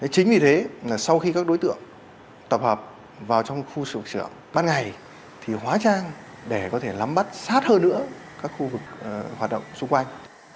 chính vì thế sau khi các đối tượng tập hợp vào trong khu sự trưởng ban ngày thì hóa trang để có thể lắm bắt sát hơn nữa các khu vực hoạt động xung quanh